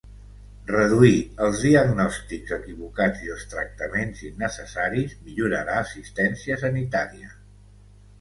Reduir els diagnòstics equivocats i els tractaments innecessaris millorarà assistència sanitària.